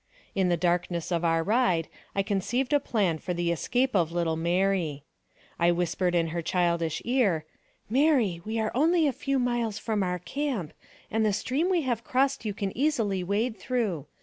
In the darkness of our ride, I conceived a plan for the escape of little Mary. I whispered in her childish ear, " Mary, we are only a few miles from our camp, and the stream we have crossed you can easily wade through.